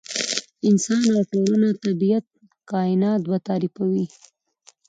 انسان او ټولنه، طبیعت، کاینات به تعریفوي.